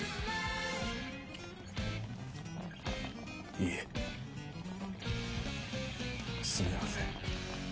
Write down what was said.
いえすみません。